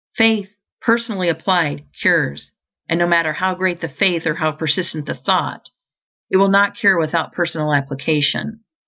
Faith, personally applied, cures; and no matter how great the faith or how persistent the thought, it will not cure without personal application.